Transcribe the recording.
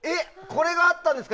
これがあったんですか？